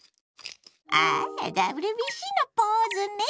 ああＷＢＣのポーズね！